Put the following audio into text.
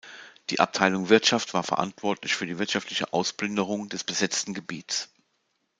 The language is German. Die Abteilung Wirtschaft war verantwortlich für die wirtschaftliche Ausplünderung des besetzten Gebiets.